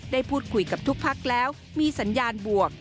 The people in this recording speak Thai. ได้พูดคุยกับทุกพักแล้วมีสัญญาณบวก